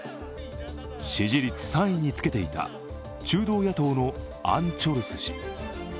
支持率３位につけていた中道野党のアン・チョルス氏。